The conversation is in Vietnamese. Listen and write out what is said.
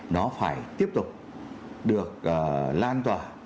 nó phải tiếp tục được lan tỏa